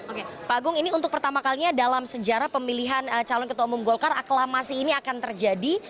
oke pak agung ini untuk pertama kalinya dalam sejarah pemilihan calon ketua umum golkar aklamasi ini akan terjadi